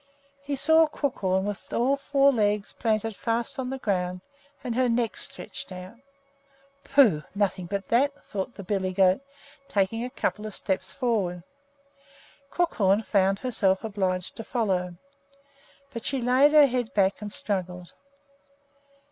He saw Crookhorn with all four legs planted fast on the ground and her neck stretched out. "Pooh! nothing but that," thought the billy goat, taking a couple of steps forward. Crookhorn found herself obliged to follow, but she laid her head back and struggled.